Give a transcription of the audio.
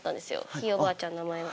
ひいおばあちゃんの名前が。